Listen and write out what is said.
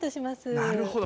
なるほど。